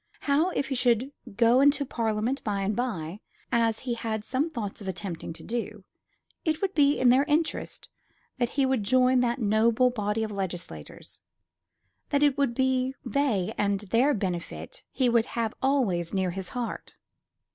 How, if he should go into Parliament by and by, as he had some thoughts of attempting to do, it would be in their interests that he would join that noble body of legislators; that it would be they and their benefit he would have always nearest his heart.